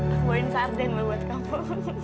aku bawain sarden buat kamu